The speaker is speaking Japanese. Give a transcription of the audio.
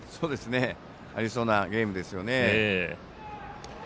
ありそうなゲームですよね。